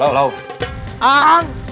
saya yang menang